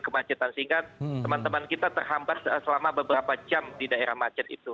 kemacetan sehingga teman teman kita terhambat selama beberapa jam di daerah macet itu